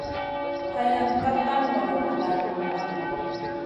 Hayan ka tan ŋolo vulan niyna.